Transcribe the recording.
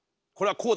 こうだ